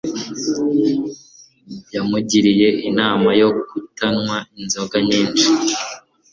Yamugiriye inama yo kutanywa inzoga nyinshi